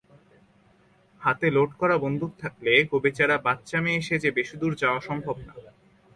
হাতে লোড করা বন্দুক থাকলে গোবেচারা বাচ্চা মেয়ে সেজে বেশিদূর যাওয়া সম্ভব না।